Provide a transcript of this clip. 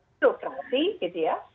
demokrasi gitu ya